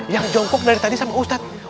yang jongkok dari tadi sama ustadz